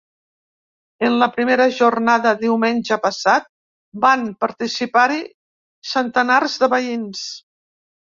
En la primera jornada, diumenge passat, van participar-hi centenars de veïns.